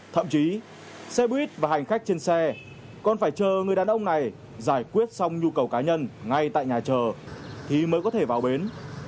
thậm chí xe buýt và hành khách trên xe còn phải chờ người đàn ông này giải quyết xong nhu cầu cá nhân ngay tại nhà chờ thì mới có thể vào bến